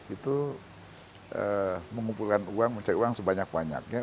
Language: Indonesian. itu mengumpulkan uang mencari uang sebanyak banyaknya